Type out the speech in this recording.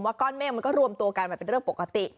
ก้อนเมฆมันก็รวมตัวกันเป็นเรื่องปกติ